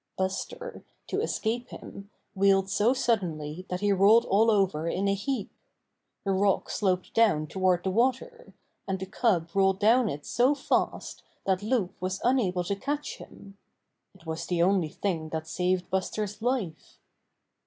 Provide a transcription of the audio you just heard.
Buster, to escape him, wheeled so suddenly that he rolled all over in a heap. The rock sloped down toward the water, and the cub rolled down it so fast that Loup was unable to catch him. It was the only thing that saved Buster's life.